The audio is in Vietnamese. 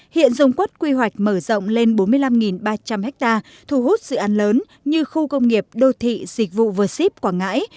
hiện dùng quất quy hoạch mở rộng lên bốn mươi năm ba trăm linh ha thu hút dự án lớn như khu công nghiệp đô thị dịch vụ v ship quảng ngãi